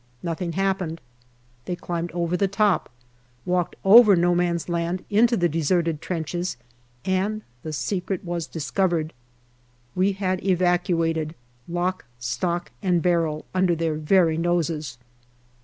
Nothing hap pened. They climbed over the top, walked over No man's land into the deserted trenches, and the secret was dis covered. We had evacuated lock, stock, and barrel under their very noses.